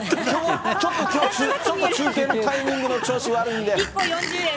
ちょっときょう、中継のタイミングの調子悪いんで。